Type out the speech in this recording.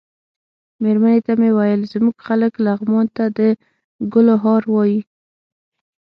مېرمنې ته مې ویل زموږ خلک لغمان ته د ګلو هار وايي.